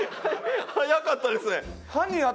早かったですね。